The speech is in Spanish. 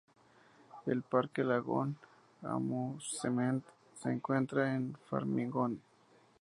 El parque Lagoon Amusement se encuentra en Farmington.